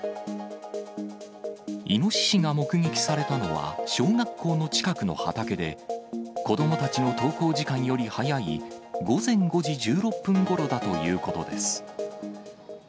イノシシが目撃されたのは小学校の近くの畑で、子どもたちの登校時間より早い、午前５時１６分ごろだということです。